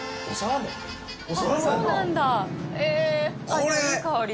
ああいい香り。